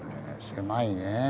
狭いねぇ。